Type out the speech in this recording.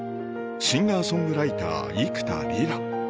シンガーソングライター幾田りら